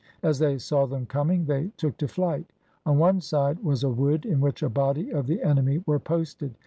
As they saw them coming they took to flight. On one side was a wood in which a body of the enemy were posted.